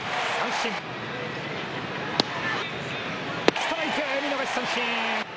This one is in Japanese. ストライク、見逃し三振。